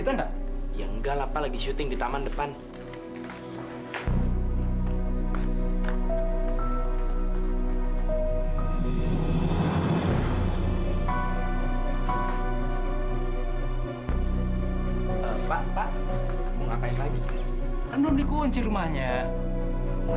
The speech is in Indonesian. tidak ada tempat lain ya